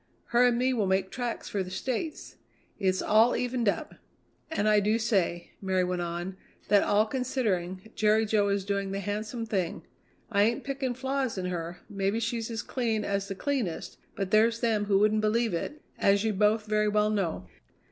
Her and me will make tracks for the States. It's all evened up.' And I do say," Mary went on, "that all considering, Jerry Jo is doing the handsome thing. I ain't picking flaws in her maybe she's as clean as the cleanest, but there's them who wouldn't believe it, as you both very well know."